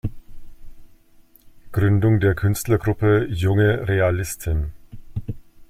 Gründung der Künstlergruppe "Junge Realisten".